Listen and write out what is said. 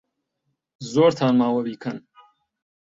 زۆرتان ماوە بیکەن.